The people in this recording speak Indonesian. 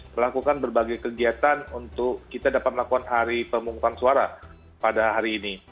melakukan berbagai kegiatan untuk kita dapat melakukan hari pemungutan suara pada hari ini